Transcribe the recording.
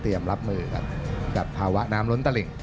เตรียมรับมือกับผ่าวะน้ำล้นตะลิ่ง